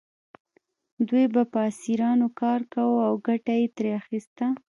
دوی به په اسیرانو کار کاوه او ګټه یې ترې اخیسته.